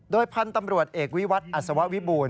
โดยพันธุ์ตำรวจเอกวิวัตรอัศววิบูรณ